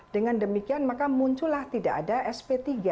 dengan demikian maka muncullah tidak ada sp tiga